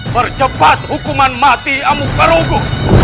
berjabat hukuman mati amukarugu